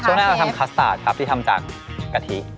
ช่วงแรกเราทำคัสตาร์ทครับที่ทำจากกะทิ